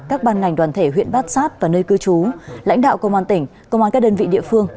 các ban ngành đoàn thể huyện bát sát và nơi cư trú lãnh đạo công an tỉnh công an các đơn vị địa phương